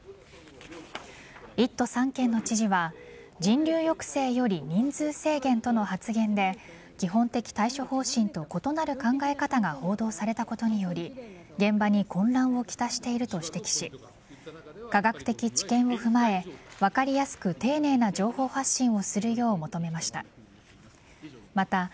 １都３県の知事は人流抑制より人数制限との発言で基本的対処方針と異なる考え方が報道されたことにより現場に混乱を来していると指摘し科学的知見を踏まえ分かりやすく丁寧な情報発信をするよう求めました。